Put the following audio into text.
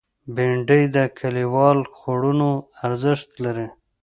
بېنډۍ د کلیوالو خوړونو ارزښت لري